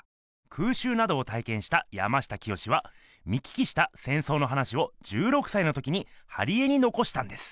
空襲などをたいけんした山下清は見聞きした戦争の話を１６さいの時に貼り絵にのこしたんです。